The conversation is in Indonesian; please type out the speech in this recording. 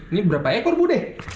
ini berapa ekor bu deh